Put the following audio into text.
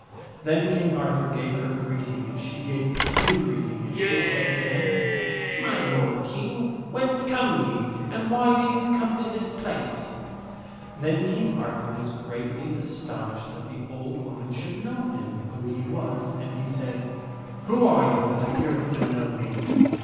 Then King Arthur gave her greeting and she gave the King greeting, and she said to him, " My lord King, whence come ye ? and why do ye come to this place ?" 3 o2 THE STORY OF SIR GAWAINE Then King Arthur was greatly astonished that that old woman should know him, who he was, and he said, *' Who are you that appeareth to know me